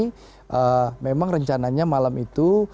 jadi memang rencananya malam itu